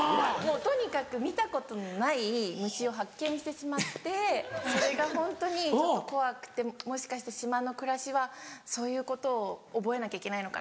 とにかく見たことのない虫を発見してしまってそれがホントに怖くてもしかして島の暮らしはそういうことを覚えなきゃいけないのかなと。